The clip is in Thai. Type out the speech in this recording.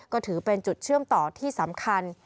ก็ถือเป็นจุดเชื่อมต่อที่สำคัญ